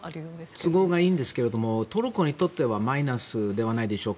都合がいいんですがトルコにとってはマイナスではないでしょうか。